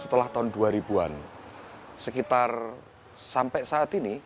setelah tahun dua ribu an sekitar sampai saat ini